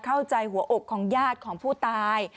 เข้าใจหัวอกของญาติของผู้ตาย